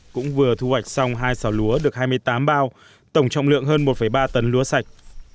cũng vừa thu hoạch xong hai xào lúa được hai mươi tám bao tổng trọng lượng hơn một ba tấn lúa sạch